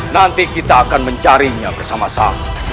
nanti kita akan mencarinya bersama sama